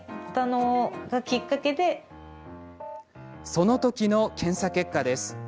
その時の検査結果です。